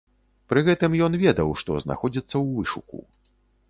Пры гэтым ён ведаў, што знаходзіцца ў вышуку.